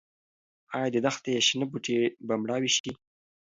ايا د دښتې شنه بوټي به مړاوي شي؟